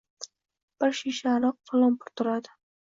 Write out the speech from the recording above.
Bir shisha aroq falon pul turadi